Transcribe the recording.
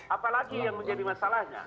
apa lagi yang menjadi masalahnya